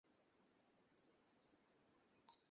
বল দেখি এই কার্ডটিতে কী আঁকা আছে?